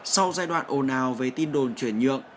sau giai đoạn ồn ào về tin đồn chuyển nhượng